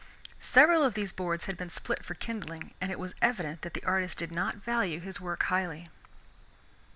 Several of these boards had been split for kindling and it was evident that the artist did not value his work highly.